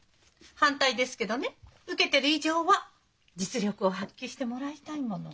反対ですけどね受けてる以上は実力を発揮してもらいたいもの。